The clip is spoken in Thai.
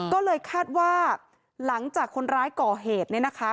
ก็เลยคาดว่าหลังจากคนร้ายก่อเหตุเนี่ยนะคะ